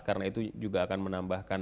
karena itu juga akan menambahkan kemampuan